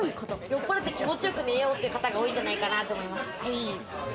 酔っ払って気持ちよく寝ようという方が多いんじゃないかなって思います。